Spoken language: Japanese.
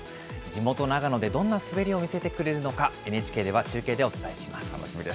地元、長野でどんな滑りを見せてくれるのか、ＮＨＫでは中継でお楽しみです。